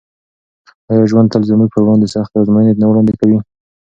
آیا ژوند تل زموږ پر وړاندې سختې ازموینې نه وړاندې کوي؟